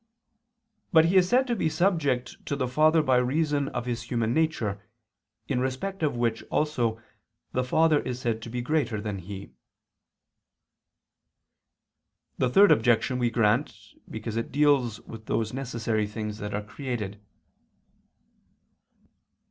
But He is said to be subject to the Father by reason of His human nature, in respect of which also the Father is said to be greater than He. The third objection we grant, because it deals with those necessary things that are created.